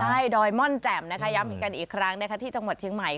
ใช่ดอยม่อนแจ่มนะคะย้ำอีกครั้งนะคะที่จังหวัดเชียงใหม่